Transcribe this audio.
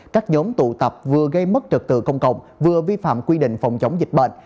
các nhóm tụ tập vừa gây mất trực tự công cộng vừa vi phạm quy định phòng chống dịch bệnh